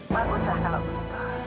baguslah kalau begitu